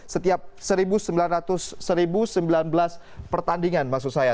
setiap seribu sembilan belas pertandingan maksud saya